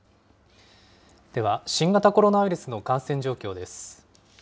では、新型コロナウイルスの感染状況です。